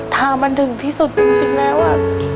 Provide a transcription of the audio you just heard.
ทางมันถึงที่สุดจริงแล้วอ่ะ